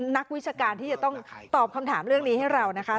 นักวิชาการที่จะต้องตอบคำถามเรื่องนี้ให้เรานะคะ